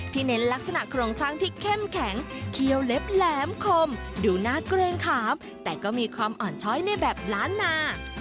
เน้นลักษณะโครงสร้างที่เข้มแข็งเคี่ยวเล็บแหลมคมดูน่าเกรงขามแต่ก็มีความอ่อนช้อยในแบบล้านนา